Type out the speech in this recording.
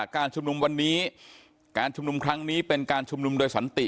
การชุมนุมวันนี้การชุมนุมครั้งนี้เป็นการชุมนุมโดยสันติ